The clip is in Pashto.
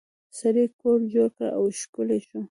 سړي کور جوړ کړ او ښکلی شو.